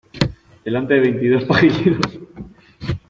delante de veintidós pajilleros.